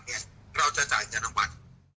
เนี่ยเราจะจ่ายจากนางวัล